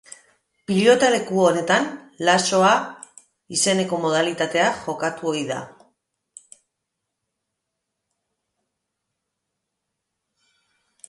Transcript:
Pilotaleku honetan laxoa izeneko modalitatea jokatu ohi da.